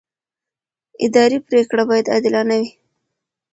اداري پرېکړه باید عادلانه وي.